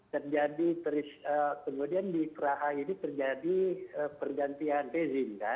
terjadi kemudian di praha ini terjadi pergantian pezin kan